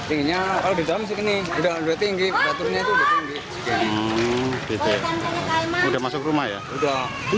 ini belum surut berarti apa